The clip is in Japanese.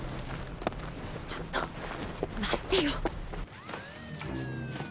ちょっと待ってよ。